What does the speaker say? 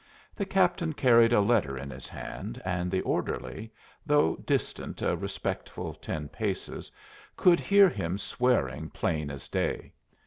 The captain carried a letter in his hand, and the orderly, though distant a respectful ten paces, could hear him swearing plain as day.